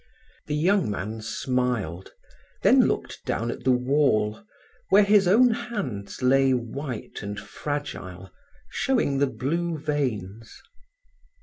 The young man smiled, then looked down at the wall, where his own hands lay white and fragile, showing the blue veins.